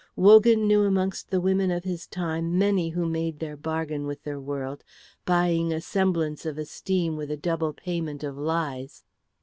Wogan knew amongst the women of his time many who made their bargain with the world, buying a semblance of esteem with a double payment of lies.